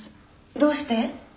どうして？